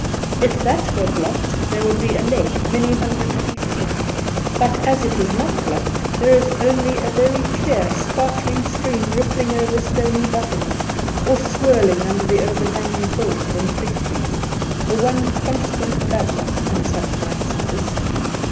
If that were blocked, there would be a lake many hundred feet deep; but as it is not blocked, there is only a very clear, sparkling stream rippling over stony bottoms, or swirling under the overhanging thorns and fig trees — the one constant babbler on such nights as this